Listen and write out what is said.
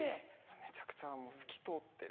めちゃくちゃもう透き通ってる。